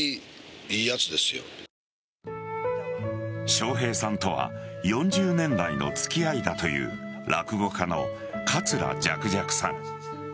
笑瓶さんとは４０年来の付き合いだという落語家の桂雀々さん。